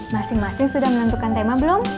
masing masing sudah menentukan tema belum